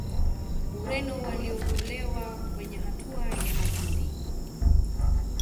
Ureno waliondolewa kwenye hatua ya makundi